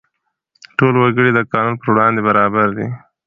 ټول وګړي د قانون پر وړاندې برابر دي.